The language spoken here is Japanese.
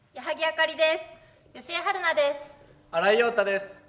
新井庸太です。